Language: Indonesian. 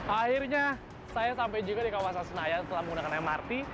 akhirnya saya sampai juga di kawasan senayan setelah menggunakan mrt